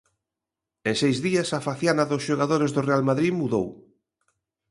En seis días a faciana dos xogadores do Real Madrid mudou.